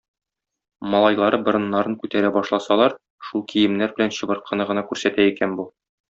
Малайлары борыннарын күтәрә башласалар, шул киемнәр белән чыбыркыны гына күрсәтә икән бу.